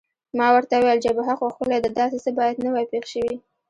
ما ورته وویل: جبهه خو ښکلې ده، داسې څه باید نه وای پېښ شوي.